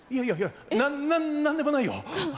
ななんでもないよ。